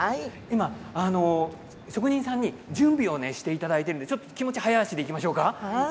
職人さんに準備をしていただいているので気持ち、早足で行きましょうか。